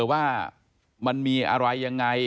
ว่ามันมีอะไรยังไง